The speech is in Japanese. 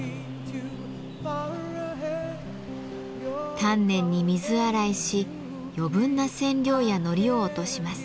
丹念に水洗いし余分な染料やノリを落とします。